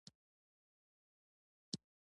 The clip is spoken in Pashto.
ساقي د دوهم ځلي د مارټیني له ګډولو وروسته وپوښتل.